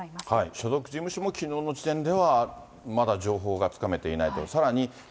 所属事務所もきのうの時点では、まだ情報がつかめていないと。